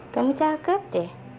kamu cakap deh